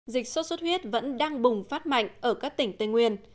dịch sốt xuất huyết vẫn đang bùng phát mạnh ở các tỉnh tây nguyên